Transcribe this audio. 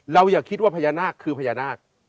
อย่าคิดว่าพญานาคคือพญานาค